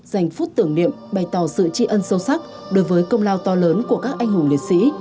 dành phút tưởng niệm bày tỏ sự tri ân sâu sắc đối với công lao to lớn của các anh hùng liệt sĩ